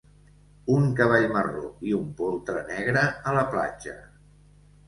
Un cavall marró i un poltre negre a la platja.